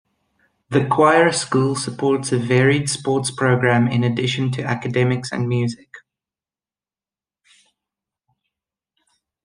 The Choir School supports a varied sports programme in addition to academics and music.